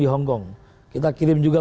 di hongkong kita kirim juga